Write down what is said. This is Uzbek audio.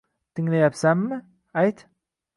Tinglayapsanmi, ayt